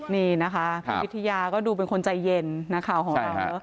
นี่นะคะคุณวิทยาก็ดูเป็นคนใจเย็นนะครับของเรา